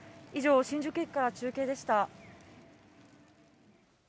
以上、新宿駅から中継でした。